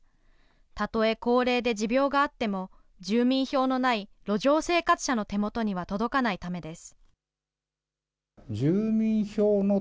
たとえ高齢で持病があっても、住民票のない路上生活者の手元には届かないためです。